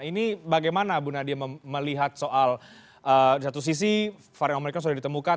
ini bagaimana bu nadia melihat soal di satu sisi varian omikron sudah ditemukan